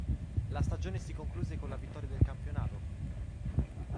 La stagione si concluse con la vittoria del campionato.